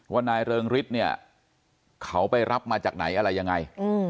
นายเริงฤทธิ์เนี่ยเขาไปรับมาจากไหนอะไรยังไง